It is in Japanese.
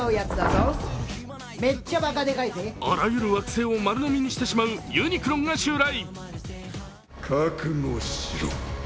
あらゆる惑星を丸飲みにしてしまうユニクロンが襲来。